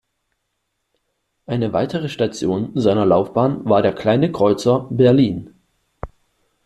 Eine weitere Station seiner Laufbahn war der Kleine Kreuzer "Berlin".